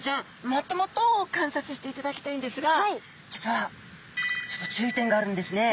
もっともっと観察していただきたいんですが実はちょっと注意点があるんですね。